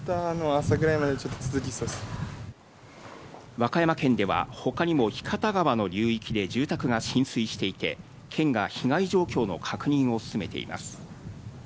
和歌山県では他にも日方川の流域で住宅が浸水していて、県が被害状況の確認を進めています。